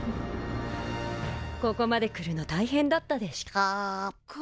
ここまで来るの大変だったでシュコー？